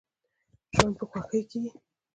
ژوند په خوښۍ کیږي.